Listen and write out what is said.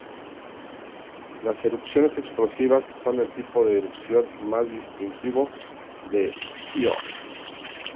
Las "erupciones explosivas" son el tipo de erupción más distintivo de Ío.